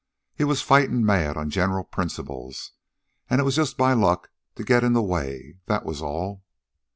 He was fightin' mad on general principles, and it was just my luck to get in the way, that was all."